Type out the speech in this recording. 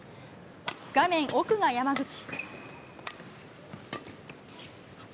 画面奥が山口。